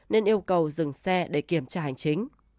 nên yêu cầu dừng xe để kiểm tra hành chính